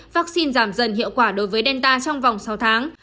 vaccine giảm dần hiệu quả đối với delta trong vòng sáu tháng